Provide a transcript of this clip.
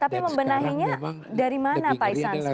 tapi membenahinya dari mana pak isan sekarang